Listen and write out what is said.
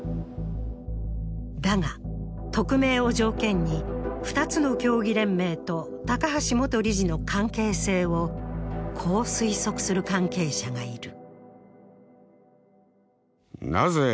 だが匿名を条件に２つの競技連盟と高橋元理事の関係性をこう推測する関係者がいる。